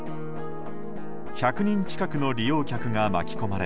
１００人近くの利用客が巻き込まれ